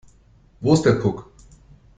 Wo ist der Puck?